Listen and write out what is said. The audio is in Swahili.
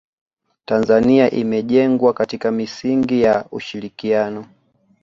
tanzania imejengwa katika misingi ya ushirikiano